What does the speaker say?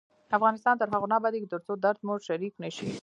افغانستان تر هغو نه ابادیږي، ترڅو درد مو شریک نشي.